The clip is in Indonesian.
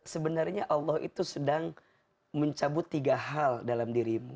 sebenarnya allah itu sedang mencabut tiga hal dalam dirimu